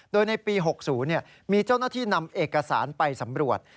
โดยในปี๖๐มีเจ้าหน้าที่นำเอกสารไปสำรวจ